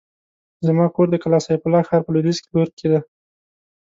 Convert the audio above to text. زما کور د کلا سيف الله ښار په لوېديځ لور کې دی.